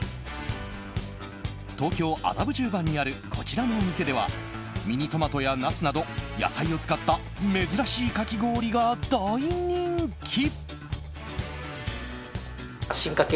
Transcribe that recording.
東京・麻布十番にあるこちらのお店ではミニトマトやナスなど、野菜を使った珍しいかき氷が大人気。